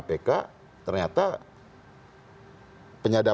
penyadapan ini tidak menunjukkan